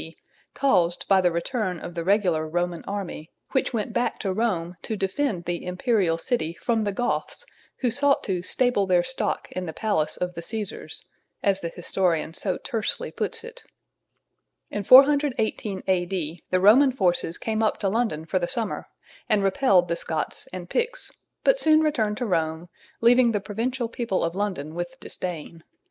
D., caused by the return of the regular Roman army, which went back to Rome to defend the Imperial City from the Goths who sought to "stable their stock in the palace of the Caesars," as the historian so tersely puts it. [Illustration: THE PICTS INCULCATING HOME RULE PRINCIPLES.] In 418 A.D., the Roman forces came up to London for the summer, and repelled the Scots and Picts, but soon returned to Rome, leaving the provincial people of London with disdain.